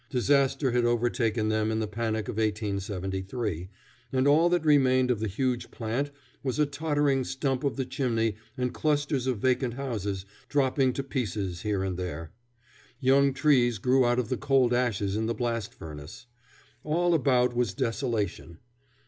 Disaster had overtaken them in the panic of 1873, and all that remained of the huge plant was a tottering stump of the chimney and clusters of vacant houses dropping to pieces here and there. Young trees grew out of the cold ashes in the blast furnace. All about was desolation.